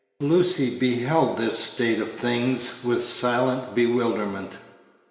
Lucy beheld this state of things with silent bewilderment.